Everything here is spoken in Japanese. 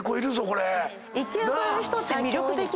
これ。